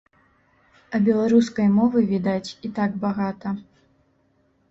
А беларускай мовы, відаць, і так багата.